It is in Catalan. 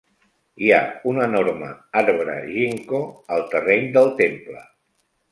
Hi ha un enorme arbre ginkgo al terreny del temple.